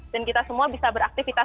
dan kita semua bisa beraktifitas